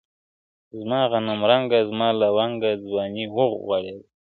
زما غنمرنگه، زما لونگه ځوانې وغوړېده,